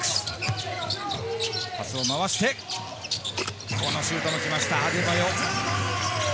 パスを回して、このシュートも来ましたアデバーヨ。